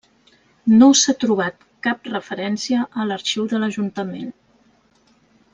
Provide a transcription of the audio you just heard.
No s'ha trobat cap referència a l'arxiu de l'ajuntament.